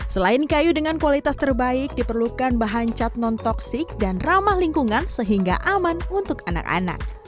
selain kayu dengan kualitas terbaik diperlukan bahan cat non toksik dan ramah lingkungan sehingga aman untuk anak anak